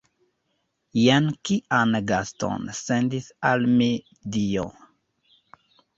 Jen kian gaston sendis al mi Dio!